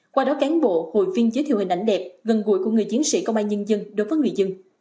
qua đó cán bộ hội viên giới thiệu hình ảnh đẹp gần gũi của người chiến sĩ công an nhân dân đối với người dân